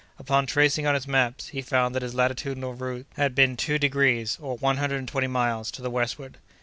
Upon tracing on his maps, he found that his latitudinal route had been two degrees, or one hundred and twenty miles, to the westward.